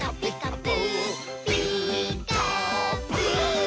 「ピーカーブ！」